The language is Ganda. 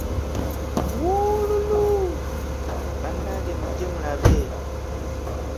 Wuulululuuu, abange mugye mulabe,